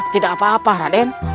tidak apa apa raden